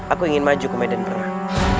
aku ingin maju ke medan perang